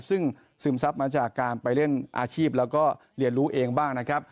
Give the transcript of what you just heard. ซึ่งซึมซับมาจากการไปเล่นอาชีพแล้วก็เรียนรู้เองบ้างนะครับ